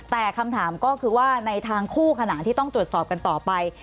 แต่คำถามก็คือว่าในทางคู่ขนานที่ต้องตรวจสอบกันต่อไป